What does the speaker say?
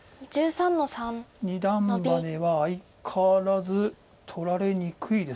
二段バネは相変わらず取られにくいです。